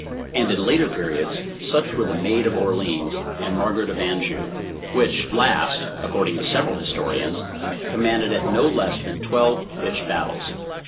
And in later periods, such were the Maid of Orleans, and Margaret of Anjou; which last, according to several historians, commanded at no less than twelve pitched battles.